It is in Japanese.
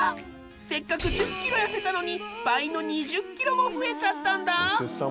せっかく１０キロ痩せたのに倍の２０キロも増えちゃったんだ。